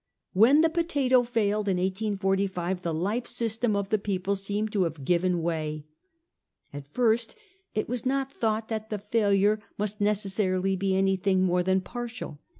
When the potato failed in 1845 the life system of the people seemed to have given way. At first it was not thought that the failure must necessarily he anything more than partial.